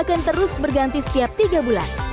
akan terus berganti setiap tiga bulan